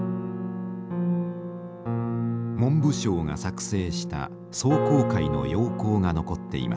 文部省が作成した壮行会の要綱が残っています。